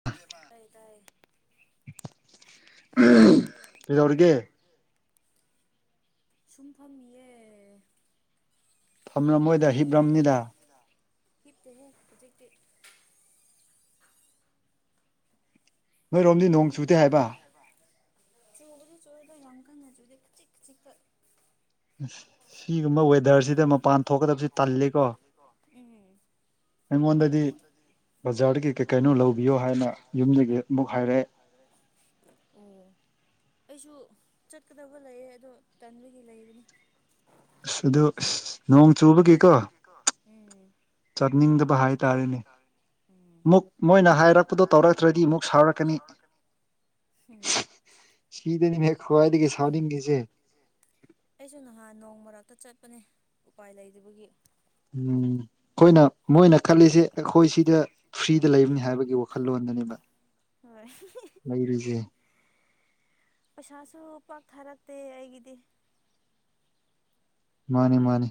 [unintelligible] ꯇꯥꯏ ꯇꯥꯏ ꯀꯩꯗꯧꯔꯤꯒꯦ ꯁꯨꯝ ꯐꯝꯃꯤꯌꯦ ꯐꯝꯔꯝꯃꯣꯏꯗ ꯍꯤꯞꯔꯝꯅꯤꯗꯥ ꯍꯤꯞꯇꯦꯍꯦ ꯍꯨꯖꯤꯛꯇꯤ ꯅꯣꯏꯔꯣꯝꯗꯤ ꯅꯣꯡ ꯆꯨꯗꯦ ꯍꯥꯏꯕꯥ ꯍꯥꯏꯕ ꯆꯨꯕꯗꯤ ꯆꯨꯌꯦ ꯑꯗꯣ ꯌꯥꯝ ꯀꯟꯅ ꯆꯨꯗꯦ ꯈꯖꯤꯛ ꯈꯖꯤꯛꯇ ꯑꯁ ꯁꯤꯒꯨꯝꯕ ꯋꯦꯗꯔꯁꯤꯗ ꯃꯄꯥꯟ ꯊꯣꯛꯀꯗꯕꯁꯦ ꯇꯜꯂꯤꯀꯣ ꯑꯩꯉꯣꯟꯗꯗꯤ ꯕꯖꯥꯔꯗꯒꯤ ꯀꯩ ꯀꯩꯅꯣ ꯂꯧꯕꯤꯌꯣ ꯍꯥꯏꯅ ꯌꯨꯝꯗꯒꯤ ꯑꯃꯨꯛ ꯍꯥꯏꯔꯛꯑꯦ ꯍꯥꯏꯔꯛꯑꯦ ꯑꯣ ꯑꯩꯁꯨ ꯆꯠꯀꯗꯕ ꯂꯩꯌꯦ ꯑꯗꯣ ꯇꯟꯕꯒꯤ ꯂꯩꯕꯅꯤ ꯏꯁ ꯑꯗꯨ ꯑꯁ ꯅꯣꯡ ꯆꯨꯕꯒꯤꯀꯣ ꯆꯠꯅꯤꯡꯗꯕ ꯍꯥꯏꯇꯥꯔꯦ ꯎꯝ ꯑꯃꯨꯛ ꯃꯣꯏꯅ ꯍꯥꯏꯔꯛꯄꯗꯣ ꯇꯧꯔꯛꯇ꯭ꯔꯗꯤ ꯑꯃꯨꯛ ꯁꯥꯎꯔꯛ ꯀꯅꯤ ꯍꯨꯝ ꯁꯤꯗꯅꯤꯅꯦ ꯈ꯭ꯋꯥꯏꯗꯒꯤ ꯁꯥꯎꯅꯤꯡꯉꯤꯁꯦ ꯑꯩꯁꯨ ꯅꯍꯥꯟ ꯅꯣꯡ ꯃꯔꯛꯇ ꯆꯠꯄꯅꯦ ꯎꯄꯥꯏ ꯂꯩꯗꯕꯒꯤ ꯎꯝ ꯑꯩꯈꯣꯏꯅ ꯃꯣꯏꯅ ꯈꯥꯜꯂꯤꯁꯦ ꯑꯩꯈꯣꯏ ꯁꯤꯗ ꯐ꯭ꯔꯤꯗ ꯂꯩꯕꯅꯤ ꯍꯥꯏꯕꯒꯤ ꯋꯥꯈꯜꯂꯣꯟꯗꯨꯅꯦꯕ ꯍꯣꯏ ꯂꯩꯔꯤꯁꯦ ꯄꯩꯁꯥꯁꯨ ꯄꯥꯛ ꯊꯥꯔꯛꯇꯦ ꯑꯩꯒꯤꯗꯤ ꯃꯥꯅꯦ ꯃꯥꯅꯦ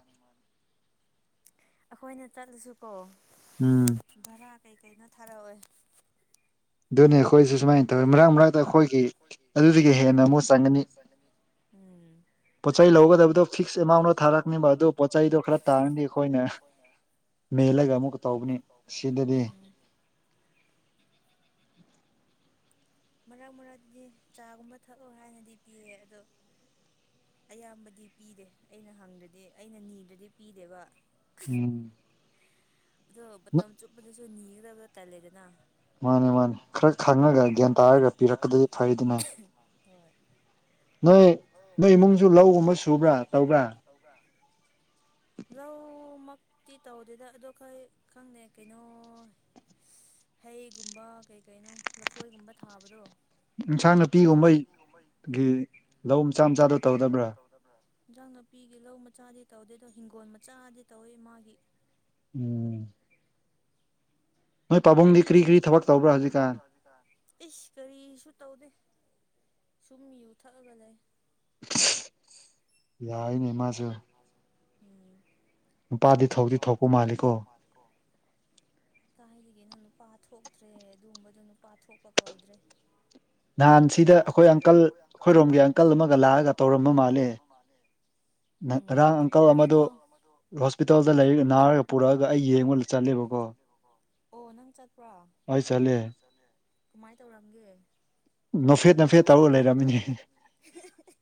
ꯑꯩꯈꯣꯏꯅ ꯆꯠꯂꯥꯁꯨ ꯀꯣ ꯎꯝ ꯚꯔꯥ ꯀꯩꯀꯩꯅꯣ ꯊꯥꯔꯛꯑꯣꯢ ꯑꯗꯨꯅꯤ ꯑꯩꯈꯣꯏꯁꯨ ꯁꯨꯃꯥꯏꯅ ꯇꯧꯋꯤ ꯃꯔꯛ ꯃꯔꯛꯇ ꯑꯩꯈꯣꯏꯒꯤ ꯑꯗꯨꯗꯒꯤ ꯍꯦꯟꯅ ꯑꯃꯨꯛ ꯆꯪꯒꯅꯤ ꯎꯝ ꯄꯣꯠꯆꯩ ꯂꯧꯒꯥꯗꯕꯗꯣ ꯐꯤꯛꯁ ꯑꯦꯃꯥꯎꯟꯗ ꯊꯥꯔꯛꯅꯦꯕ ꯑꯗꯨ ꯄꯣꯠꯆꯩꯗꯨ ꯈꯔ ꯇꯥꯔꯅꯤ ꯑꯩꯈꯣꯏꯅ ꯃꯦꯜꯂꯥꯒ ꯑꯃꯨꯛꯀ ꯇꯧꯒꯅꯤ ꯁꯤꯗꯗꯤ ꯃꯔꯛ ꯃꯔꯛꯇꯗꯤ ꯆꯥꯒꯨꯝꯕ ꯊꯛꯑꯣ ꯍꯥꯏꯅꯗꯤ ꯄꯤꯌꯦ ꯑꯗꯣ ꯑꯌꯥꯝꯕꯗꯤ ꯄꯤꯗꯦ ꯑꯩꯅ ꯍꯪꯗ꯭ꯔꯗꯤ ꯑꯩꯅ ꯅꯤꯗ꯭ꯔꯗꯤ ꯄꯤꯗꯦꯕ ꯎꯝ ꯑꯗꯣ ꯃꯇꯝ ꯆꯨꯞꯄꯗꯁꯨ ꯅꯤꯒꯗꯕꯗꯨ ꯇꯜꯂꯦꯗꯅ ꯃꯥꯅꯤ ꯃꯥꯅꯤ ꯈꯔ ꯈꯪꯉꯒ ꯒ꯭ꯌꯥꯟ ꯇꯥꯔꯒ ꯄꯤꯔꯛꯀ [inaudible] ꯅꯣꯏ ꯅꯣꯏ ꯏꯃꯨꯡꯁꯨ ꯂꯧꯒꯨꯝꯕ ꯁꯨꯕ꯭ꯔꯥ ꯇꯧꯕ꯭ꯔꯥ ꯇꯧꯕ꯭ꯔꯥ ꯂꯧꯃꯛꯇꯤ ꯇꯧꯗꯦꯗ ꯑꯗꯣ ꯍꯣꯏꯠ ꯈꯪꯗꯦ ꯀꯩꯅꯣ ꯏꯁ ꯍꯩꯒꯨꯝꯕ ꯀꯩ ꯀꯩꯅꯣ ꯂꯥꯐꯣꯢꯒꯨꯝꯕ ꯊꯥꯕꯗꯣ ꯏꯟꯁꯥꯡ ꯅꯥꯄꯤꯒꯨꯝꯕꯩ ꯒꯤ ꯂꯧꯃꯆꯥ ꯃꯆꯥꯗꯣ ꯇꯧꯗꯕ꯭ꯔꯥ ꯇꯧꯗꯕ꯭ꯔꯥ ꯏꯟꯖꯥꯡ ꯅꯥꯄꯤꯒꯤ ꯂꯧ ꯃꯆꯥꯗꯤ ꯇꯧꯗꯦ ꯍꯤꯡꯒꯣꯜ ꯃꯆꯥꯗꯤ ꯇꯧꯋꯤ ꯃꯥꯒꯤ ꯎꯝ ꯅꯣꯏ ꯄꯥꯕꯨꯡꯗꯤ ꯀꯔꯤ ꯀꯔꯤ ꯊꯥꯕꯛ ꯇꯧꯕ꯭ꯔꯥ ꯍꯧꯖꯤꯛꯀꯥꯟ ꯏꯁ ꯀꯔꯤꯁꯨ ꯇꯧꯗꯦ ꯁꯨꯝ ꯌꯨ ꯊꯛꯑꯥꯒ ꯂꯩ [unintelligible] ꯌꯥꯏꯅꯦ ꯃꯥꯁꯨ ꯎꯝ ꯅꯨꯄꯥꯗꯤ ꯊꯣꯛꯇꯤ ꯊꯣꯛꯄ ꯃꯥꯜꯂꯤꯀꯣ ꯃꯥꯟꯂꯤꯀꯣ ꯀꯥꯏꯗꯒꯤꯅꯣ ꯅꯨꯄꯥ ꯊꯣꯛꯇ꯭ꯔꯦ ꯑꯗꯨꯒꯨꯝꯕꯗꯣ ꯅꯨꯄꯥ ꯊꯣꯛꯄ ꯀꯧꯗ꯭ꯔꯦ ꯅꯍꯥꯟ ꯅꯍꯥꯟ ꯁꯤꯗ ꯑꯩꯈꯣꯏ ꯑꯪꯀꯜ ꯑꯩꯈꯣꯏꯔꯣꯝꯗ ꯑꯪꯀꯜ ꯑꯃꯒ ꯂꯥꯛꯑꯒ ꯇꯧꯔꯝꯕ ꯃꯥꯜꯂꯦ ꯎꯝ ꯀꯩꯅꯣ [unintelligible] ꯍꯣꯁꯄꯤꯇꯥꯜꯗ ꯂꯩꯔꯒ ꯅꯔꯒ ꯄꯨꯔꯛꯑꯒ ꯑꯩꯒꯤꯗ [unintelligible] ꯑꯣ ꯅꯪ ꯆꯠꯄ꯭ꯔꯣ ꯑꯩ ꯆꯠꯂꯦ ꯀꯃꯥꯏ ꯇꯧꯔꯝꯒꯦ ꯅꯣꯛꯐꯦꯠ ꯅꯣꯛꯐꯦꯠ ꯅꯣꯛꯐꯦꯠ ꯇꯧꯔꯒ ꯂꯩꯔꯝꯃꯤ [unintelligible]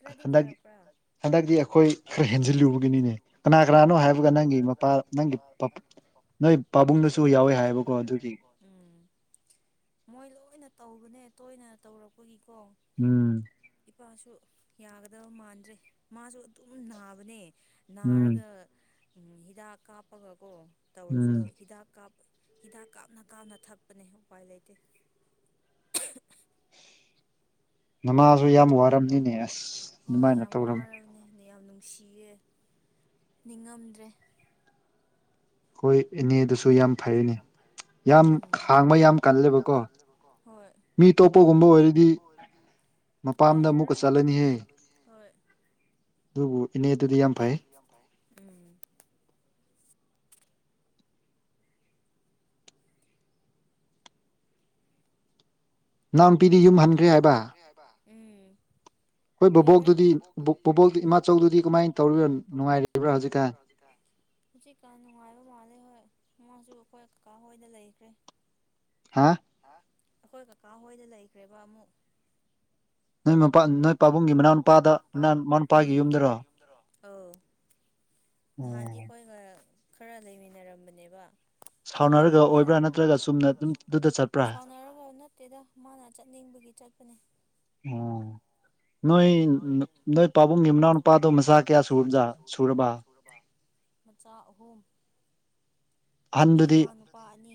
ꯈꯔꯗꯤ ꯐꯔꯛꯄ꯭ꯔꯥ ꯍꯟꯗꯛꯇꯤ ꯑꯩꯈꯣꯏ ꯈꯔ ꯍꯦꯟꯖꯤꯜꯂꯨꯕꯒꯤꯅꯤꯅꯦ ꯀꯅꯥ ꯀꯅꯥꯅꯣ ꯍꯥꯏꯕꯒ ꯅꯪꯒꯤ ꯃꯄꯥ ꯅꯪꯒꯤ [unintelligible] ꯅꯣꯏ ꯄꯥꯕꯨꯡꯗꯨꯁꯨ ꯌꯥꯎꯌꯦ ꯍꯥꯏꯕꯀꯣ ꯑꯗꯨꯒꯤ ꯎꯝ ꯃꯣꯏ ꯂꯣꯏꯅ ꯇꯧꯕꯅꯦ ꯇꯣꯏꯅ ꯇꯧꯔꯛꯄꯒꯤꯀꯣ ꯎꯝ ꯏꯄꯥꯁꯨ ꯌꯥꯒꯗꯕ ꯃꯥꯟꯗ꯭ꯔꯦ ꯃꯥꯁꯨ ꯑꯗꯨꯝ ꯅꯥꯕꯅꯦ ꯅꯥꯔꯒ ꯍꯤꯗꯥꯛ ꯀꯥꯞꯄꯥꯒ ꯀꯣ ꯇꯧꯔꯁꯨ ꯍꯤꯗꯥꯛ ꯀꯥꯞ ꯍꯤꯗꯥꯛ ꯀꯥꯞꯅ ꯀꯥꯞꯅ ꯊꯛꯄꯅꯦ ꯎꯄꯥꯏ ꯂꯩꯇꯦ ꯅꯃꯥꯁꯨ ꯅꯃꯥꯖꯨ ꯌꯥꯝ ꯋꯥꯔꯝꯅꯤꯅꯦ ꯍꯣꯏ ꯌꯥꯝ ꯋꯥꯔꯕꯅꯦ ꯌꯥꯝ ꯅꯨꯡꯁꯤꯌꯦ ꯅꯤꯡꯉꯝꯗ꯭ꯔꯦ ꯑꯩꯈꯣꯏ ꯏꯅꯦ ꯑꯗꯨꯁꯨ ꯌꯥꯝ ꯐꯩꯅꯦ ꯌꯥꯝ ꯈꯥꯡꯕ ꯌꯥꯝ ꯀꯜꯂꯦꯕꯀꯣ ꯃꯤ ꯇꯣꯛꯄꯒꯨꯝꯕ ꯑꯣꯏꯔꯗꯤ ꯃꯄꯥꯝꯗ ꯑꯃꯨꯛꯀ ꯆꯠꯂꯅꯤꯍꯦ ꯍꯣꯢ ꯃꯤꯕꯨꯗꯤ ꯌꯥꯝ ꯐꯩꯌꯦ ꯎꯝ ꯅꯥꯅꯥꯎ ꯅꯨꯄꯤꯗꯤ ꯌꯨꯝ ꯍꯟꯈ꯭ꯔꯦ ꯍꯥꯏꯕ ꯎꯝ ꯀꯨꯢꯔꯦ ꯅꯣꯢ ꯕꯣꯕꯣꯛꯇꯨꯗꯤ ꯕꯣꯕꯣꯛꯇꯨꯗꯤ ꯢꯃꯥꯆꯧꯗꯨꯗꯤ ꯀꯃꯥꯏꯅ ꯇꯧ ꯅꯨꯡꯉꯥꯏꯔꯤꯕ꯭ꯔꯥ ꯍꯧꯖꯤꯛꯀꯥꯟ ꯍꯧꯖꯤꯛꯀꯥꯟ ꯅꯨꯡꯉꯥꯏꯕ ꯃꯥꯜꯂꯦ ꯍꯣꯏ ꯃꯥꯁꯨ ꯑꯩꯈꯣꯏ ꯀꯀꯥ ꯍꯣꯏꯗ ꯂꯩꯈ꯭ꯔꯦ ꯍꯥ ꯑꯩꯈꯣꯏ ꯀꯀꯥ ꯍꯣꯏꯗ ꯂꯩꯈ꯭ꯔꯦꯕ ꯑꯃꯨꯛ ꯅꯣꯏ ꯃꯄꯥꯟ ꯅꯣꯏ ꯄꯥꯕꯨꯡꯒꯤ ꯃꯅꯥꯎꯅꯨꯄꯥꯗ ꯃꯅꯥꯎ ꯅꯨꯄꯥꯒꯤ ꯌꯨꯝꯗꯔꯣ ꯑꯧ ꯅꯍꯥꯟꯗꯤ ꯑꯩꯈꯣꯏꯒ ꯈꯔ ꯂꯩꯃꯤꯟꯅꯔꯝꯕꯅꯦꯕ ꯑꯗꯣ ꯑꯃꯨꯛꯀꯥ ꯑꯣꯏꯕ꯭ꯔꯥ ꯅꯠꯇ꯭ꯔꯒ ꯆꯨꯝꯅ ꯁꯥꯎꯅꯔꯒ ꯅꯠꯇꯦꯗ ꯃꯥꯅ ꯆꯠꯅꯤꯡꯕꯒꯤ ꯆꯠꯄꯅꯦ ꯑꯣ ꯅꯣꯏ ꯅꯣꯏ ꯄꯥꯕꯨꯡꯒꯤ ꯃꯅꯥꯎ ꯅꯨꯄꯥꯗꯣ ꯃꯆꯥ ꯀꯌꯥ ꯁꯨꯕ ꯁꯨꯔꯕ ꯃꯆꯥ ꯑꯍꯨꯝ ꯅꯨꯄꯤ ꯑꯃ ꯅꯨꯄꯥ ꯑꯅꯤ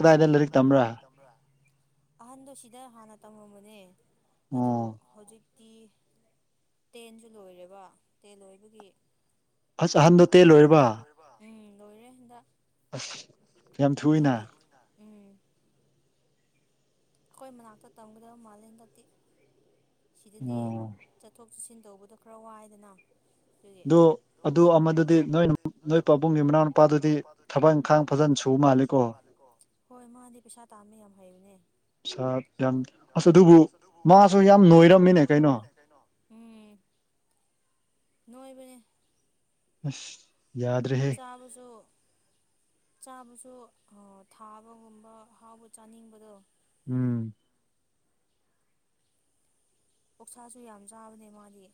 ꯑꯍꯥꯟꯗꯨꯗꯤ ꯀꯗꯥꯏꯗ ꯂꯥꯏꯔꯤꯛ ꯇꯝꯕ꯭ꯔꯥ ꯑꯍꯟꯗꯣ ꯁꯤꯗ ꯍꯥꯟꯅ ꯇꯝꯃꯝꯕꯅꯦ ꯑꯗꯣ ꯍꯧꯖꯤꯛ ꯇꯤ ꯇꯦꯟꯁꯨ ꯂꯣꯏꯔꯦꯕ ꯇꯦꯟ ꯂꯣꯏꯕꯒꯤ ꯑꯁ ꯑꯍꯟꯗꫭ ꯇꯦꯟ ꯂꯣꯏꯔꯕꯥ ꯎꯃ ꯂꯣꯏꯔꯦ ꯍꯟꯗꯛ ꯑꯁ ꯑꯗꯨꯗꯤ ꯎꯝ ꯑꯩꯈꯣꯏ ꯃꯅꯥꯛꯇ ꯇꯝꯒꯗꯕ ꯃꯥꯂꯦꯝ ꯍꯗꯛꯇꯤ ꯁꯤꯗꯗꯤ ꯆꯠꯊꯣꯛ ꯆꯠꯁꯤꯟ ꯇꯧꯕꯗꯣ ꯈꯔ ꯋꯥꯏꯗꯅ ꯀꯔꯤ ꯑꯗꯨ ꯑꯗꯨ ꯑꯃꯗꯨꯗꯤ ꯅꯣꯏ ꯅꯣꯏ ꯄꯥꯕꯨꯡꯒꯤ ꯃꯅꯥꯎꯅꯨꯄꯥꯗꯨꯗꯤ ꯊꯕꯛ ꯏꯪꯈꯥꯡ ꯐꯖꯅ ꯁꯨ ꯃꯥꯜꯂꯤꯀꫭ ꯍꯣꯏ ꯃꯥꯗꯤ ꯄꯩꯁꯥ ꯇꯥꯟꯕꯥ ꯌꯥꯝ ꯍꯩꯕꯅꯤ ꯌꯥꯝ ꯑꯁ ꯑꯗꯨꯕꯨ ꯃꯥꯁꯨ ꯌꯥꯝ ꯃꯥꯁꯨ ꯌꯥꯝ ꯅꯣꯏꯔꯝꯃꯤꯅꯦ ꯀꯩꯅꯣ ꯎꯝ ꯅꯣꯏꯕꯅꯦ ꯑꯁ ꯌꯥꯗ꯭ꯔꯦꯍꯦ ꯆꯥꯕꯁꯨ ꯆꯥꯕꯁꯨ ꯊꯥꯕꯒꯨꯝꯕ ꯍꯥꯎꯕ ꯆꯥꯅꯤꯡꯕꯗꯣ ꯎꯝ ꯑꯣꯛꯁꯥꯁꯨ ꯌꯥꯝ ꯆꯥꯕꯅꯦ ꯃꯥꯗꯤ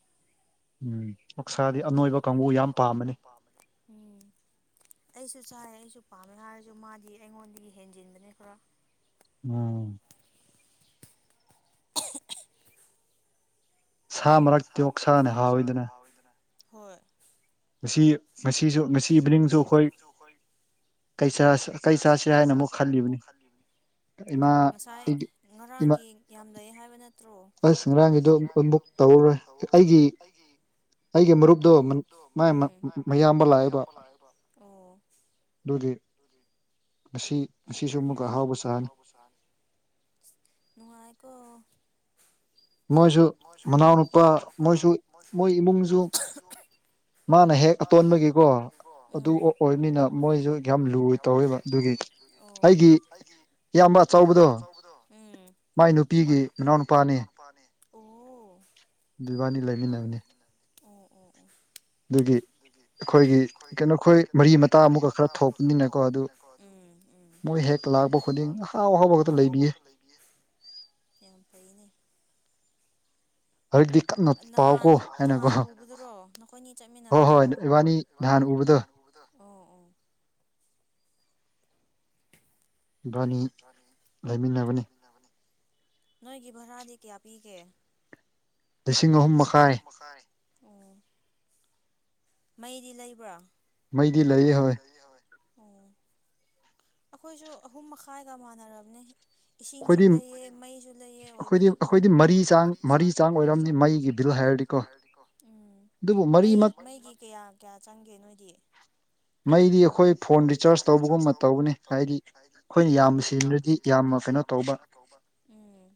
ꯑꫭꯛꯁꯥꯗꯤ ꯑꯅꯣꯏꯕ ꯀꯥꯡꯕꯨ ꯌꯥꯝ ꯄꯥꯝꯕꯅꯤ ꯎꯝ ꯑꯩꯁꯨ ꯆꯥꯏ ꯑꯩꯁꯨ ꯄꯥꯝꯃꯦ ꯍꯥꯏꯔꯁꯨ ꯃꯥꯗꯤ ꯑꯩꯉꯣꯟꯗꯒꯤ ꯍꯦꯟꯖꯤꯟꯕꯅꯦ ꯈꯔ ꯎꯝ ꯁꯥ ꯃꯔꯛꯇ ꯑꫭꯛꯁꯅꯥ ꯍꯥꯎꯋꯤꯗ ꯍꯣꯏ ꯉꯁꯤ ꯉꯁꯤꯁꯨ ꯉꯁꯤ ꯏꯚꯤꯅꯤꯡꯁꯨ ꯑꯩꯈꯣꯏ ꯀꯩ ꯆꯥꯁꯤ ꯀꯩ ꯆꯥꯁꯤ ꯍꯥꯏꯅ ꯑꯃꯨꯛ ꯈꯜꯂꯤꯕꯅꯤ ꯏꯃꯥ ꯑꯩꯗꯤ ꯏꯃ ꯑꯁ ꯉꯔꯥꯡꯒꯤꯗꯣ ꯑꯃꯨꯛ ꯇꯧꯔꯔꯣꯏ ꯑꯩꯒꯤ ꯑꯩꯒꯤ ꯃꯔꯨꯞꯗꯣ ꯃꯥꯏ ꯃ ꯃꯌꯥꯝꯕ ꯂꯥꯛꯑꯦꯕ ꯗꯨꯒꯤ ꯉꯁꯤ ꯉꯁꯤ ꯉꯁꯤꯁꯨ ꯑꯃꯨꯛꯀ ꯑꯍꯥꯎꯕ ꯆꯥꯅꯤ ꯅꯨꯡꯉꯥꯏꯀꯣ ꯃꯣꯏꯖꯨ ꯃꯅꯥꯎꯅꯨꯄꯥ ꯃꯣꯏꯁꯨ ꯃꯣꯏ [unintelligible] ꯃꯥꯅ ꯍꯦꯛ ꯑꯇꯣꯟꯕꯒꯤꯀꯣ ꯎꯝ ꯑꯗꯨ ꯑꯣꯄ ꯑꯣꯏꯕꯅꯤꯅ ꯃꯣꯏꯁꯨ ꯌꯥꯝ ꯂꯨꯅ ꯇꯧꯋꯦꯕ ꯗꯨꯒꯤ ꯑꯣ ꯑꯩꯒꯤ ꯏꯌꯥꯝꯕ ꯑꯆꯧꯕꯗꯣ ꯎꯝ ꯃꯥꯏ ꯅꯨꯄꯤꯒꯤ ꯃꯅꯥꯎ ꯅꯨꯄꯥꯅꯦ ꯑꯣ ꯏꯕꯥꯅꯤ ꯂꯩꯃꯤꯟꯅꯩ ꯑꯣ ꯑꯣ ꯑꯣ ꯗꯨꯒꯤ ꯑꯗꯨꯒꯤ ꯑꯩꯈꯣꯏꯒꯤ ꯀꯩꯅꯣꯈꯣꯏ ꯃꯔꯤ ꯃꯇꯥ ꯑꯃꯨꯛꯀ ꯈꯔ ꯊꯣꯛꯄꯅꯤꯅꯀꯣ ꯑꯗꯨ ꯎꯝ ꯎꯝ ꯃꯣꯏ ꯍꯦꯛ ꯂꯥꯛꯄ ꯈꯨꯗꯤꯡ ꯑꯍꯥꯎ ꯑꯍꯥꯎꯕ ꯈꯛꯇ ꯂꯩꯕꯤꯌꯦ ꯌꯥꯝ ꯐꯩꯅꯦ ꯅꯍꯥꯟ ꯅꯍꯥꯟ ꯎꯕꯗꯨꯔꯣ ꯅꯈꯣꯏꯅꯤ ꯆꯠꯃꯤꯟꯅꯕꯗꯨꯔꯣ ꯍꯣ ꯍꯣꯏ ꯏꯕꯥꯅꯤ ꯅꯍꯥꯟ ꯎꯕꯗꯣ ꯑꯣ ꯑꯣ [inaudible] ꯏꯕꯥꯅꯤ ꯂꯩꯃꯤꯟꯅꯕꯅꯤ ꯅꯕꯅꯤ ꯅꯣꯏꯒꯤ ꯚꯥꯔꯥꯗꯤ ꯀꯌꯥ ꯄꯤꯒꯦ ꯂꯤꯁꯤꯡ ꯑꯍꯨꯝ ꯃꯈꯥꯏ ꯑꯣ ꯃꯩꯗꯤ ꯂꯩꯕ꯭ꯔꯣ ꯃꯩꯗꯤ ꯂꯩꯌꯦ ꯍꯣꯏ ꯑꯣ ꯑꯈꯣꯏꯁꯨ ꯑꯍꯨꯝ ꯃꯈꯥꯏꯒ ꯃꯥꯟꯅꯔꯕꯅꯦ ꯏꯁꯤꯡꯁꯨ ꯂꯩꯌꯦ ꯃꯩꯁꯨ ꯂꯩꯌꯦ ꯑꯣꯏꯕꯒꯤꯀꯣ ꯑꯩꯈꯣꯢꯗꯤ ꯑꯩꯈꯣꯢꯗꯤ ꯃꯔꯤ ꯆꯥꯡ ꯃꯔꯤ ꯆꯥꯡ ꯑꯣꯏꯔꯝꯅꯤ ꯃꯩꯒꯤ ꯕꯤ ꯗꯨꯢ ꯍꯥꯏꯔꯗꯤꯀꯣ ꯎꯝ ꯃꯩ ꯃꯩꯒꯤ ꯀꯌꯥ ꯀꯌꯥ ꯆꯪꯒꯦ ꯅꯣꯏꯗꯤ ꯃꯩꯗꯤ ꯑꯩꯈꯣꯏ ꯐꯣꯟ ꯔꯤꯆꯥꯔꯖ ꯇꯧꯕꯒꯨꯝꯕ ꯇꯧꯕꯅꯤ ꯍꯥꯏꯗꯤ ꯑꯩꯈꯣꯏꯅ ꯌꯥꯝ ꯁꯤꯖꯤꯔꯗꯤ ꯌꯥꯝꯅ ꯀꯩꯅꯣ ꯇꯧꯕ ꯎꯝ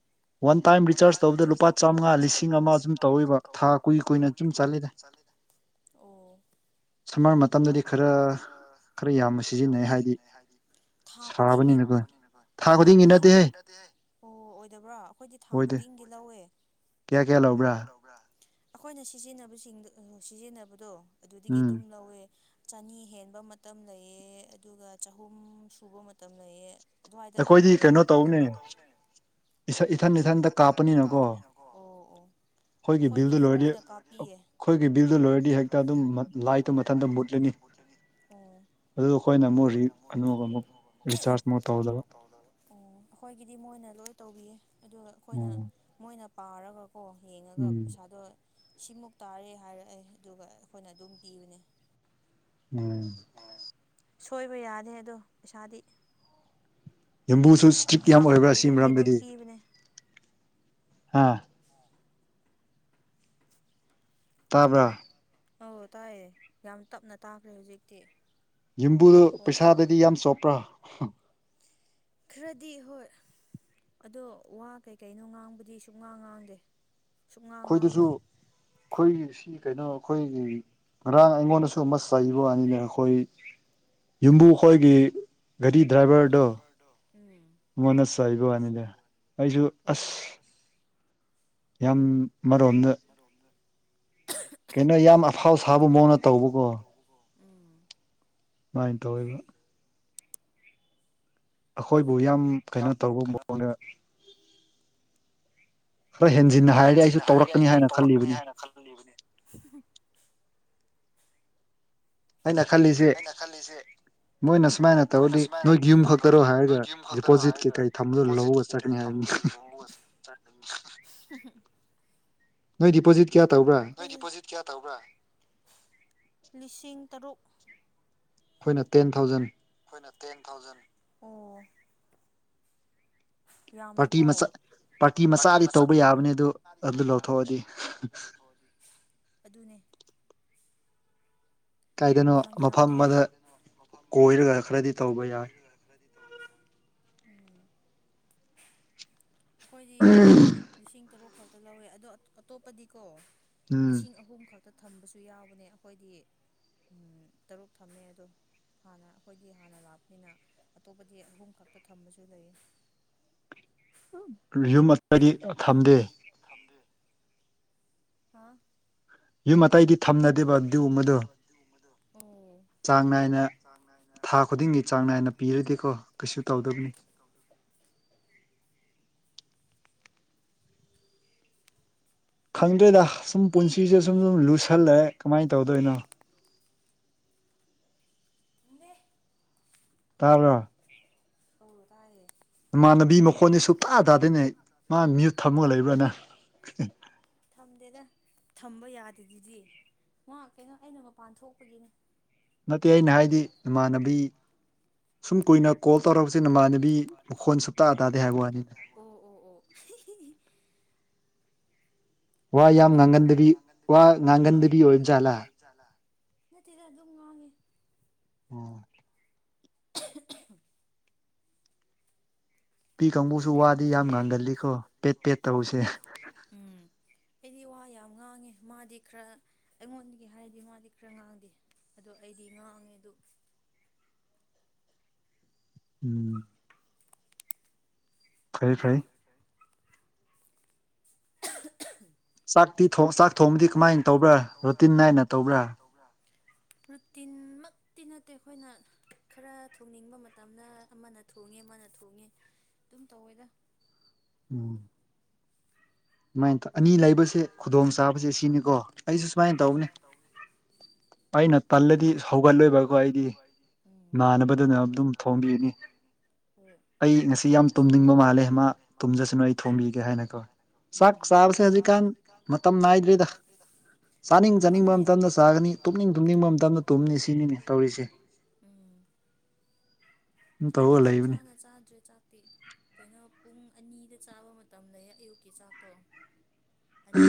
ꯋꯥꯟ ꯇꯥꯏꯝ ꯔꯤꯆꯥꯔꯖ ꯇꯧꯕꯗ ꯂꯨꯄꯥ ꯆꯥꯝꯃꯉꯥ ꯂꯤꯁꯤꯡ ꯑꯃ ꯁꯨꯝ ꯇꯧꯋꯦꯕ ꯊꯥ ꯀꯨꯏ ꯀꯨꯏꯅ ꯗꯨꯝ ꯆꯠꯂꯤꯗ ꯑꯣ ꯁꯃꯔ ꯃꯇꯝꯗꯗꯤ ꯈꯔ ꯈꯔ ꯈꯔ ꯌꯥꯝꯅ ꯁꯤꯖꯤꯟꯅꯩ ꯍꯥꯏꯗꯤ ꯊꯥ ꯈꯨꯗꯤꯡꯒꯤ ꯁꯥꯕꯅꯤꯅ ꯈꯣꯢ ꯊꯥ ꯈꯨꯗꯤꯡꯒꯤ ꯊꯥ ꯈꯨꯗꯤꯡꯒꯤ ꯅꯠꯇꯦꯍꯦ ꯑꯣ ꯑꯣꯏꯗꯕ꯭ꯔꯣ ꯑꯩꯈꯣꯏꯗꯤ ꯊꯥ ꯈꯨꯗꯤꯡꯒꯤ ꯂꯧꯋꯦ ꯀꯌꯥ ꯀꯌꯥ ꯂꯧꯕ꯭ꯔꯥ ꯕ꯭ꯔꯥ ꯑꯩꯈꯣꯏꯅ ꯁꯤꯖꯤꯟꯅꯕꯁꯤꯡꯗ ꯑ ꯁꯤꯖꯤꯟꯅꯕꯗꯣ ꯑꯗꯨꯗꯒꯤ ꯑꯗꯨꯝ ꯂꯧꯋꯦ ꯆꯅꯤ ꯍꯦꯟ ꯕ ꯃꯇꯝ ꯂꯩꯌꯦ ꯑꯗꯨꯒ ꯆꯍꯨꯝ ꯁꯨꯕ ꯃꯇꯝ ꯂꯩꯌꯦ ꯗꯨꯋꯥꯏꯗ ꯑꯗꯨꯝ ꯑꯣꯏꯌꯦ ꯑꯩꯈꯣꯏꯗꯤ ꯀꯩꯅꯣ ꯇꯧꯕꯅꯦ ꯢꯁꯥ ꯏꯊꯟ ꯏꯊꯟꯇ ꯀꯥꯞꯄꯅꯤꯅꯀꯣ ꯑꯣ ꯑꯣ ꯑꯩꯈꯣꯏꯒꯤꯗꯤ ꯃꯣꯏꯅ ꯀꯥꯞꯄꯤꯌꯦ ꯑꯩꯈꯣꯏꯒꯤꯗꯤ ꯕꯤꯜꯗꯨ ꯂꯣꯏꯔꯗꯤ ꯍꯦꯛꯇ ꯑꯗꯨꯝ ꯂꯥꯏꯠꯇꯨ ꯃꯊꯟꯇ ꯃꯨꯠꯂꯅꯤ ꯑꯣ ꯑꯗꯨ ꯑꯩꯈꯣꯏꯅ ꯑꯃꯨꯛ ꯔꯤ ꯑꯅꯧꯕ ꯑꯃꯨꯛ ꯔꯤꯆꯥꯔꯁ ꯃꯨꯛ ꯇꯧꯗꯣꯢꯕ ꯑꯣ ꯑꯩꯈꯣꯏꯒꯤꯗꯤ ꯃꯣꯏꯅ ꯂꯣꯏ ꯇꯧꯕꯤꯌꯦ ꯑꯗꯨꯒ ꯑꯩꯈꯣꯏꯅ ꯃꯣꯏꯅ ꯄꯥꯔꯒ ꯀꯣ ꯌꯦꯡꯉꯒ ꯄꯩꯁꯥꯗꯣ ꯁꯤꯃꯨꯛ ꯇꯥꯔꯦ ꯍꯥꯏꯔꯛꯑꯦ ꯑꯗꯨꯒ ꯑꯩꯈꯣꯏꯅ ꯑꯗꯨꯝ ꯄꯤꯕꯅꯦ ꯎꯝ ꯑꯥ ꯁꯣꯏꯕ ꯌꯥꯗꯦ ꯑꯗꯣ ꯄꯩꯁꯥꯗꯤ ꯌꯨꯝꯕꯨꯁꯨ ꯏꯁꯇ꯭ꯔꯤꯛ ꯌꯥꯝ ꯑꯣꯏꯕ꯭ꯔꯥ ꯁꯤ ꯃꯔꯝꯗꯗꯤ ꯍꯥꯥ ꯑ ꯇꯥꯕ꯭ꯔꯥ ꯑꯧ ꯇꯥꯏꯌꯦ ꯌꯥꯝ ꯇꯞꯅ ꯇꯥꯈ꯭ꯔꯦ ꯍꯧꯖꯤꯛꯇꯤ ꯌꯨꯝꯕꯨꯗꯣ ꯄꯩꯁꯥꯗꯗꯤ ꯌꯥꯝ ꯆꯣꯞꯄ꯭ꯔꯥ ꯈꯔꯗꯤ ꯍꯣꯏ ꯑꯗꯣ ꯋꯥ ꯀꯩꯀꯩꯅꯣ ꯉꯥꯡꯕꯗꯤ ꯁꯨꯡ ꯉꯥꯡ ꯉꯥꯡꯗꯦ ꯑꯩꯈꯣꯏꯗꯁꯨ ꯑꯩꯈꯣꯏꯒꯤ ꯁꯤ ꯀꯩꯅꯣ ꯑꯩꯈꯣꯏꯒꯤ ꯉꯥꯔꯥꯡ ꯑꯩꯉꯣꯟꯗꯁꯨ ꯑꯃ ꯆꯩꯕ ꯋꯥꯅꯤꯅꯦ ꯑꯩꯈꯣꯏ ꯌꯨꯝꯕꯨ ꯈꯣꯏꯒꯤ ꯒꯥꯔꯤ ꯗ꯭ꯔꯥꯏꯚꯔꯗꯣ ꯎꯝ ꯆꯩꯕꯩꯋꯅꯤꯗ ꯑꯩꯁꯨ ꯑꯁ ꯌꯥꯝ ꯃꯔꯣꯝꯗ ꯀꯩ ꯌꯥꯝ ꯑꯐꯥꯎ ꯁꯥꯕ ꯃꯑꯣꯡ ꯇꯧꯕꯀꯣ ꯁꯨꯃꯥꯏꯅ ꯇꯧꯔꯤꯕ ꯑꯩꯈꯣꯏꯕꯨ ꯌꯥꯝ ꯀꯩꯅꯣ ꯇꯧꯕ ꯃꯑꯣꯡꯗ ꯍꯣꯏ ꯍꯦꯟꯖꯤꯟꯅ ꯍꯥꯏꯔꯗꯤ ꯑꯩꯁꯨ ꯇꯧꯔꯛꯀꯅꯤ ꯍꯥꯏꯅ ꯈꯜꯂꯨꯔꯤꯕꯅꯤ ꯑꯩꯅꯥ ꯈꯜꯂꯤꯁꯦ ꯈꯜꯂꯤꯁꯦ ꯃꯣꯏꯅ ꯁꯨꯃꯥꯏꯅ ꯇꯧꯔꯗꯤ ꯅꯣꯏꯒꯤ ꯌꯨꯝ ꯈꯛꯇꯔꯣ ꯍꯥꯏꯔꯒ ꯗꯤꯄꯣꯖꯤꯠ ꯀꯩꯀꯩ ꯊꯝꯕꯗꯨ ꯂꯧꯒ ꯑ ꯀꯩ ꯊꯝꯗ ꯂꯣ ꯆꯠꯅꯤ ꯅꯣꯏ ꯗꯤꯄꯣꯖꯤꯠ ꯀꯌꯥ ꯇꯧꯕ꯭ꯔꯥ ꯅꯣꯏ ꯗꯤꯄꯣꯖꯤꯠ ꯀꯔꯥ ꯇꯧꯕꯔꯥ ꯂꯤꯁꯤꯡ ꯇꯔꯨꯛ ꯑꯩꯈꯣꯏꯅ ꯇꯦꯟ ꯊꯥꯎꯖꯟ ꯑꯩꯈꯣꯏꯅ ꯇꯦꯟ ꯊꯥꯎꯖꯟ ꯑꯣ ꯌꯥꯝꯃꯦꯀꯣ ꯄꯥꯔꯇꯤ ꯃꯆꯥ ꯑꯃ ꯃꯥꯗꯤ ꯇꯧꯕ ꯌꯥꯕꯅꯦ ꯑꯗꯨ ꯑꯗꯨ ꯂꯧꯊꯣꯛꯑꯗꯤ ꯑꯗꯨꯅꯦ ꯌꯥꯝ ꯌꯥꯝꯃꯤꯍꯦ ꯀꯥꯏꯗꯅꯣ ꯃꯐꯝ ꯑꯃꯗ ꯀꯣꯏꯔꯒ ꯈꯔꯗꯤ ꯎꯝ ꯑꯩꯈꯣꯏꯗꯤ ꯂꯤꯁꯤꯡ ꯇꯔꯨꯛ ꯈꯠꯇ ꯂꯧꯋꯦ ꯑꯗꯣ ꯑꯇꯣꯞꯄꯗꯤꯀꯣ ꯂꯤꯁꯤꯡ ꯑꯍꯨꯝ ꯈꯛꯇ ꯊꯝꯕꯁꯨ ꯌꯥꯎꯕꯅꯦ ꯑꯩꯈꯣꯏꯗꯤ‌ ꯎꯝ ꯇꯔꯨꯛ ‌ꯊꯝꯃꯦ ꯑꯗꯣ ꯍꯥꯟꯅ ꯑꯩꯈꯣꯏꯗꯤ ꯍꯥꯟꯅ ꯂꯥꯛꯄꯅꯤꯅ ꯑꯇꯣꯞꯄꯗꯤ ꯑꯍꯨꯝ ꯈꯛꯇ ꯊꯝꯕꯁꯨ ꯂꯩꯌꯦ [unintelligible] ꯌꯨꯝ ꯑꯇꯩꯗꯤ ꯊꯝꯗꯦ ꯎꯝ ꯌꯨꯝ ꯑꯇꯩꯗꯤ ꯊꯝꯅꯗꯦꯕ ꯑꯗꯨꯒꯨꯝꯕꯗꯣ ꯆꯥꯡ ꯅꯥꯏꯅ ꯊꯥ ꯈꯨꯗꯤꯡꯒꯤ ꯆꯥꯡ ꯅꯥꯏꯅ ꯄꯤꯔꯗꯤꯀꯣ ꯀꯩꯁꯨ ꯇꯧꯗꯕꯅꯤ ꯈꯪꯗ꯭ꯔꯦꯗ ꯁꯨꯝ ꯄꯨꯟꯁꯤꯁꯦ ꯁꯨꯝ ꯁꯨꯝ ꯂꯨꯁꯜꯂꯦ ꯀꯃꯥꯏꯅ ꯇꯧꯗꯣꯏꯅꯣ [unintelligible] ꯇꯥꯕꯔꯥ ꯀꯩꯕꯔꯣ ꯇꯥꯏꯌꯦ ꯏꯃꯥꯟꯅꯕꯤ ꯃꯈꯣꯟꯗꯤ ꯁꯨꯞꯇꯥ ꯇꯥꯗꯣꯏꯅꯦ ꯃꯥꯅ ꯃꯤ꯭ꯨꯌꯠ ꯊꯝꯃꯒ ꯂꯩꯕ꯭ꯔꯅꯦ ꯊꯝꯗꯦꯗ ꯊꯝꯕ ꯌꯥꯗꯦ ꯑꯗꯨꯗꯤ ꯉꯥꯛ ꯀꯩꯅꯣ ꯑꯩꯅ ꯃꯄꯥꯟ ꯊꯣꯛꯄꯒꯤꯅꯦ ꯅꯠꯇꯦ ꯑꯩꯅ ꯍꯥꯏꯗꯤ ꯏꯃꯥꯟꯅꯕꯤ ꯁꯨꯝ ꯀꯨꯏꯅ ꯀꯣꯜ ꯇꯧꯔꯛꯄꯁꯤ ꯅꯃꯥꯟꯅꯕꯤ ꯃꯈꯣꯟ ꯁꯞꯇꯥ ꯇꯥꯗꯦ ꯍꯥꯏꯕ ꯋꯥꯅꯤꯅ ꯑꯣ ꯑꯣ ꯑꯣ ꯈꯪꯗ‌ꯦ ꯑꯈꫭꯏ ꯌꯥꯝ ꯉꯪꯒꯟꯗꯔꯤ ꯋꯥ ꯉꯪꯟꯗꯔꯤ ꯑꯣꯏ ꯅꯠꯇꯦꯗ ꯑꯗꯨꯝ ꯉꯥꯡꯉꯦ ꯎꯝ [inaudible] ꯄꯤ ꯀꯥꯡꯕꯨꯁꯨ ꯇꯧꯕꯨꯁꯨ ꯋꯥꯗꯤ ꯌꯥꯝ ꯉꯥꯡꯒꯜꯂꯤꯀꯣ ꯄꯦꯠ ꯇꯦꯞ ꯇꯧꯕꯁꯤꯅꯦ ꯑꯩꯗꯤ ꯋꯥ ꯌꯥꯝ ꯉꯥꯡꯉꯦ ꯃꯥꯗꯤ ꯈꯔ ꯑꯩꯉꯣꯟꯗꯒꯤ ꯍꯥꯏꯔꯗꯤ ꯃꯥꯗꯤ ꯈꯔ ꯉꯥꯡꯗꯦ ꯑꯗꯣ ꯑꯩꯗꯤ ꯉꯥꯡꯉꯦ ꯑꯗꯨ ꯎꯝ ꯐꯩꯌ‌ꯦ ꯐꯩ ꯎ [unintelligible] ꯆꯥꯛꯇꯤ ꯆꯥꯛ ꯊꯣꯡꯕꯗꯤ ꯀꯃꯥꯏꯅ ꯇꯧꯕ꯭ꯔꯥ ꯔꯨꯇꯤꯟ ꯅꯥꯏꯅ ꯇꯧꯕ꯭ꯔꯥ ꯇꯧꯕꯔꯛꯑꯒꯦ [unintelligible] ꯔꯨꯇꯤꯟꯃꯛꯇꯤ ꯅꯠꯇꯦ ꯑꯩꯈꯣꯏꯅ ꯈꯔ ꯊꯣꯡꯅꯤꯡꯕ ꯃꯇꯝꯗ ꯑꯃꯅ ꯊꯣꯡꯉꯦ ꯑꯃꯅ ꯊꯣꯡꯉꯦ ꯑꯗꯨꯝ ꯇꯧꯋꯦꯗ ꯎꯝ ꯁꯨꯃꯥꯏꯅ ꯇꯧ ꯑꯅꯤ ꯂꯩꯕꯁꯦ ꯈꯨꯗꯣꯡ ꯆꯥꯕꯁꯦ ꯁꯤꯅꯤꯀꯣ ꯑꯩꯁꯨ ꯁꯨꯃꯥꯏꯅ ꯇꯧꯕꯅꯤ ꯑꯩꯅ ꯇꯜꯂꯗꯤ ꯍꯧꯒꯠꯂꯣꯏꯕꯀꫭ ꯑꯩꯗꯤ ꯏꯃꯥꯟꯅꯕꯗꯨꯅ ꯑꯗꯨꯝ ꯊꯣꯡꯝꯕꯤꯅꯤ ꯍꫭꯏ ꯑꯩ ꯉꯁꯤ ꯌꯥꯝ ꯇꯨꯝꯅꯤꯡꯕ ꯃꯥꯜꯂꯦ ꯃꯥ ꯇꯨꯝꯖꯁꯅꯨ ꯑꯩ ꯊꯣꯃꯤꯒꯦ ꯍꯥꯏꯅꯀꯣ ꯆꯥꯛ ꯆꯥꯁꯦ ꯍꯧꯖꯤꯛ ꯀꯥꯟ ꯃꯇꯝ ꯅꯥꯏꯗꯣꯏꯗꯕ ꯑꯇ ꯆꯥꯒꯅꯤ ꯎꯝ ꯃꯇꯝ ꯆꯥꯅ ꯆꯥꯗ꯭ꯔꯦ ꯆꯥꯛꯇꯤ ꯀꯩꯅꯣ ꯄꯨꯡ ꯑꯅꯤꯗ ꯆꯥꯕ ꯃꯇꯝ ꯂꯩꯌ‌ꯦ ꯑꯌꯨꯛꯀꯤ ꯆꯥꯛꯇꯣ ꯑꯅꯤ